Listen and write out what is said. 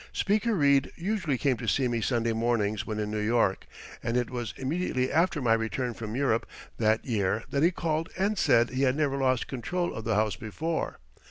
Speaker Reed usually came to see me Sunday mornings when in New York, and it was immediately after my return from Europe that year that he called and said he had never lost control of the House before.